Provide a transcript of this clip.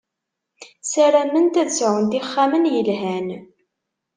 Sarament ad sɛunt ixxamen yelhan.